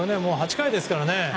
８回ですからね。